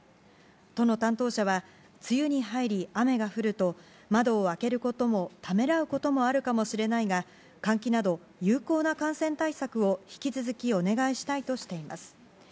都の担当者は、梅雨に入り、雨が降ると、窓を開けることもためらうこともあるかもしれないが、換気など有効な感染対策を引き続きお願いしたいとしています。